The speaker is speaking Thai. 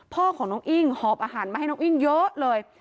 พ่อของน้องอิ้งหอบอาหารมาให้น้องอิ้งเยอะเลย